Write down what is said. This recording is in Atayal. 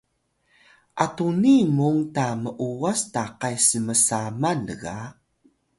atuni mung ta m’uwas takay smsaman lga